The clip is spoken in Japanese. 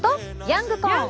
ヤングコーン！